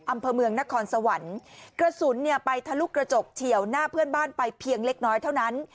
อำเภอเมืองนครสวรรค์กระสุนเนี่ยไปทะลุกระจกเฉียวหน้าเพื่อนบ้านไปเพียงเล็กน้อยเท่านั้น